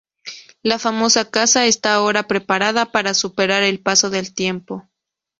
La famosa casa está ahora preparada para superar el paso del tiempo.